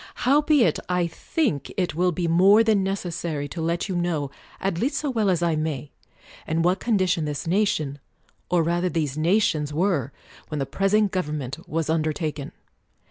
Howbeit I think it will be more than necessary to let you know, at least so well as I may, in what condition this nation, or rather these nations, were, when the present government was under taken.